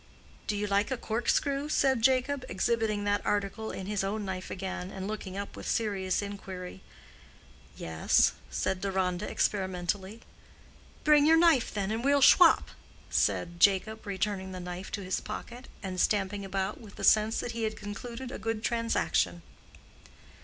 "Do you like a cork screw?" said Jacob, exhibiting that article in his own knife again, and looking up with serious inquiry. "Yes," said Deronda, experimentally. "Bring your knife, then, and we'll shwop," said Jacob, returning the knife to his pocket, and stamping about with the sense that he had concluded a good transaction.